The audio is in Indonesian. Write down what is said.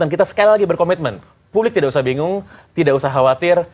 dan kita sekali lagi berkomitmen publik tidak usah bingung tidak usah khawatir